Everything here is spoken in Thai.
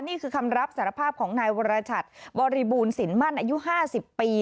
นี่คือคำรับสารภาพของหนัยววรชัตน์บรบภูมิสินมั่นอายุห้าสิบปี